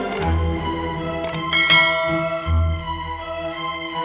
jika cuma orang macam hanya